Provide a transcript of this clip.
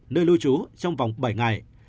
nơi lưu trú trong vòng bảy ngày